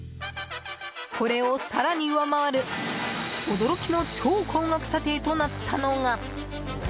これを更に上回る驚きの超高額査定となったのが。